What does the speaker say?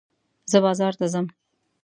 زه بازار ته ځم.